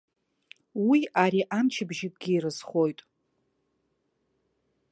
Уи ари амчыбжьыкгьы ирызхоит.